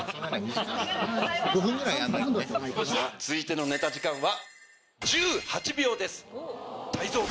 続いてのネタ時間は。